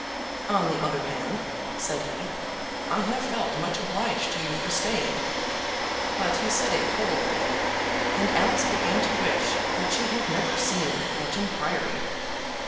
"On the other hand," said he, "I have felt much obliged to you for staying." But he said it coldly; and Alice began to wish that she had never seen Matching Priory.